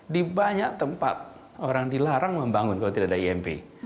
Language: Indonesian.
di banyak tempat orang dilarang membangun kalau tidak ada imp